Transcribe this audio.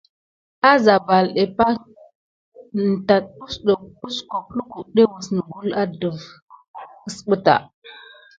Ása ésəkué pay kin tate kiskobe lukudé mis nikule aɗef.